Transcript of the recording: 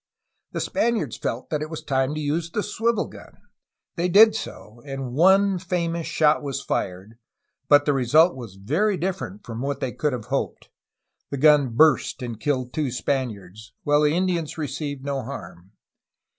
The Spaniards felt that it was time to use the swivel gun. They did so, and one famous shot was fired, — ^but the result was very different from what they could have hoped. The gun burst and killed two Spaniards, while the Indians received no harm.